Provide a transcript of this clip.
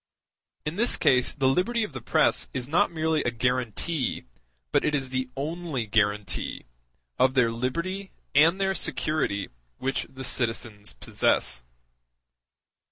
In this case the liberty of the press is not merely a guarantee, but it is the only guarantee, of their liberty and their security which the citizens possess.